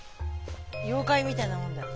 妖怪みたいなもんだよ。